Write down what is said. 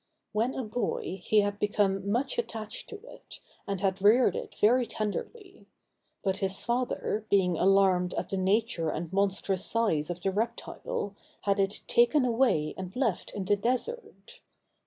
When a boy, he had become much attached to it, and had reared it very tenderly; but his father, being alarmed at the nature and monstrous size of the reptile, had it taken away and left in the desert.